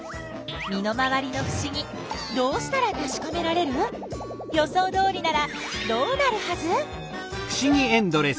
身の回りのふしぎどうしたらたしかめられる？予想どおりならどうなるはず？